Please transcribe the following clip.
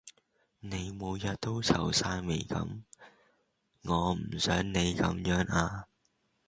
你每日都皺晒眉噉，我唔想你噉樣呀